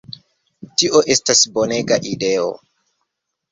Tio estas bonega ideo!"